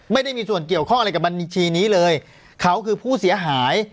ไม่ได้มีส่วนเกี่ยวข้องอะไรกับบัญชีนี้เลยเขาคือผู้เสียหาย